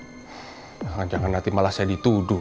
jangan jangan nanti malah saya dituduh